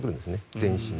全身に。